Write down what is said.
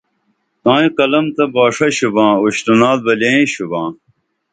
تائیں قلم تہ باݜہ شُباں اُشترونال بہ لئیں شُباں